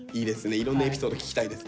いろんなエピソード聞きたいです。